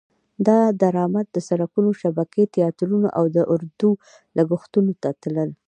دا درامد د سرکونو شبکې، تیاترونه او اردو لګښتونو ته تلل.